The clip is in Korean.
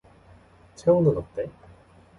체온은 어때?